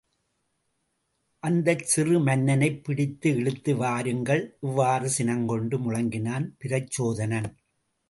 அந்தச் சிறு மன்னனைப் பிடித்து இழுத்து வாருங்கள். இவ்வாறு சினங்கொண்டு முழங்கினான் பிரச்சோதனன்.